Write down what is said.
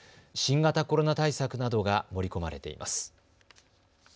新型コロナ対策などが盛り込まれています。